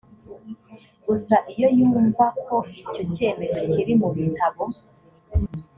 gusa iyo yumva ko icyo cyemezo kiri mu bitabo